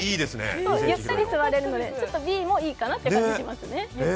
ゆったり座れるのでＢもいいかなという気もしますね。